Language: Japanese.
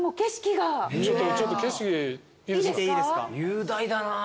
雄大だな。